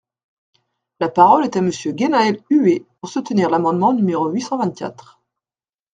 La parole est à Monsieur Guénhaël Huet, pour soutenir l’amendement numéro huit cent vingt-quatre.